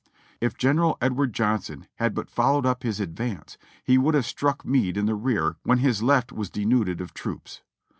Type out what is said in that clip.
If General Edward John son had but followed up his advance, he would have struck Meade in the rear when his left was denuded of troops.